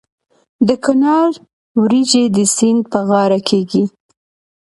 د کونړ وریجې د سیند په غاړه کیږي.